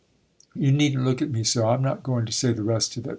'You needn't look at me so. I'm not going to say the rest of it.